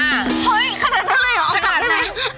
เฮ้ยขนาดนั้นเลยเหรอเอากัดได้ไหม